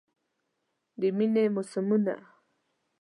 د میینې موسمونه